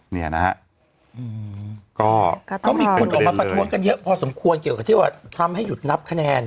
เนี่ยนะฮะก็มีคนออกมาประท้วงกันเยอะพอสมควรเกี่ยวกับที่ว่าทำให้หยุดนับคะแนน